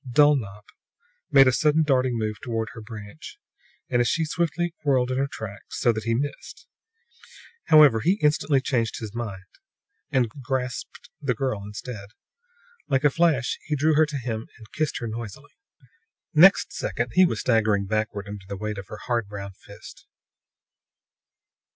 Dulnop made a sudden darting move toward her branch, and she as swiftly whirled in her tracks, so that he missed. However, he instantly changed his mind and grasped the girl instead. Like a flash he drew her to him and kissed her noisily. Next second he was staggering backward under the weight of her hard brown fist.